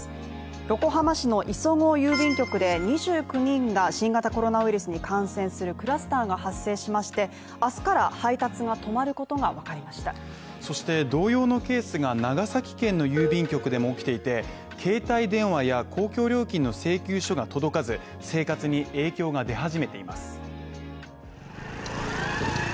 横浜市の磯子郵便局で２９人が新型コロナウイルスに感染するクラスターが発生しまして明日から配達が止まることが分かりましたそして同様のケースが長崎県の郵便局でも起きていて、携帯電話や公共料金の請求書が届かず生活に影響が出始めています。